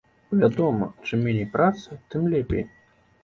Вядома, чым меней працы, тым лепей.